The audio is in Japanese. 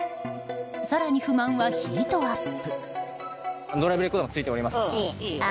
更に不満はヒートアップ。